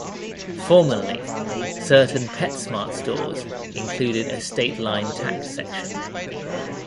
Formerly, certain PetSmart stores included a State Line Tack section.